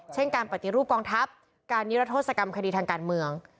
เช่นการปฏิรูปกองทัพการนิรัทธศกรรมคดีทางการเมือง